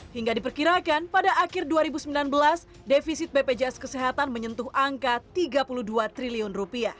hingga diperkirakan pada akhir dua ribu sembilan belas defisit bpjs kesehatan menyentuh angka rp tiga puluh dua triliun